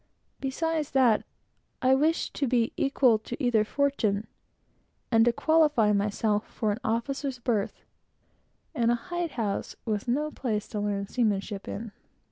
Beside that, I wished to be "equal to either fortune," and to qualify myself for an officer's berth, and a hide house was no place to learn seamanship in.